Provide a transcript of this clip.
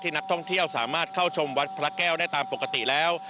นักท่องเที่ยวสามารถเข้าชมวัดพระแก้วได้ตามปกติแล้ว